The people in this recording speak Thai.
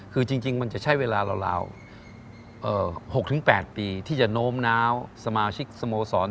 คือจริงมันจะใช้เวลาราว๖๘ปีที่จะโน้มน้าวสมาชิกสโมสร